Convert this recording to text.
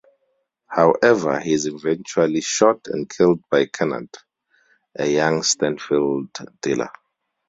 However, he is eventually shot and killed by Kenard, a young Stanfield dealer.